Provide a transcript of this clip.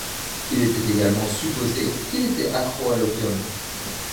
Il était également supposé qu'il était accro à l'opium.